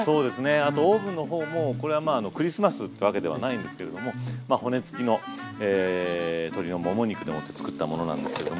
あとオーブンの方もこれはまあクリスマスってわけではないんですけれどもまあ骨付きの鶏のもも肉でもって作ったものなんですけども。